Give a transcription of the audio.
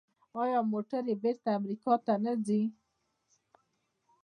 آیا موټرې بیرته امریکا ته نه ځي؟